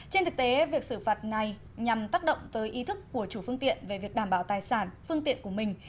trên thực tế việc xử phạt này nhằm tác động tới ý thức của chủ phương tiện về việc đảm bảo tài sản phương tiện của mình